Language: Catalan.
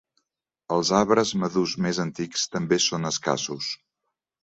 Els arbres madurs més antics també són escassos.